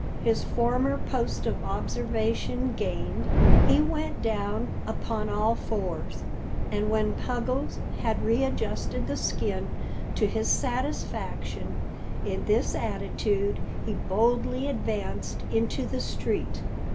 His former post of observation gained, he went down upon all fours, and when Puggles had readjusted the skin to his satisfaction, in this attitude he boldly advanced into the street.